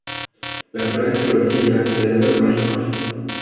La prensa lo tilda de "dedos mágicos".